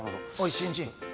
新人。